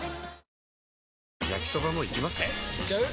えいっちゃう？